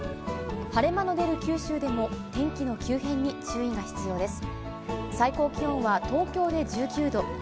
晴れ間の出る九州でも天気の急変に注意が必要です。